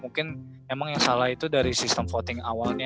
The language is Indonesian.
mungkin emang yang salah itu dari sistem voting awalnya